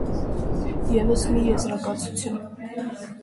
Եվս մի եզրակացություն։